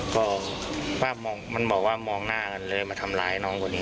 ก็ว่ามันบอกว่ามองหน้ากันเลยมาทำร้ายน้องคนนี้